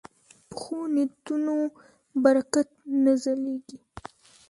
پخو نیتونو برکت نازلېږي